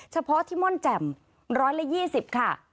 เฉพาะที่ม่อนแจ่ม๑๒๐ค่ะ